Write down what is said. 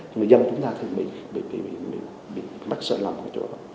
thì người dân chúng ta thường bị bắt sợ lầm ở chỗ đó